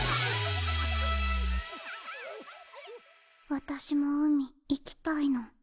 私も海行きたいの。